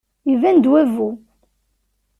Iban-d wabbu.